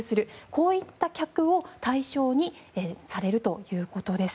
こういった客が対象にされるということです。